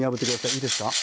いいですか？